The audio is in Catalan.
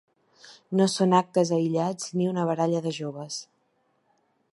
No són actes aïllats ni una baralla de joves.